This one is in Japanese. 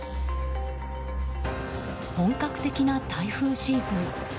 本格的な台風シーズン。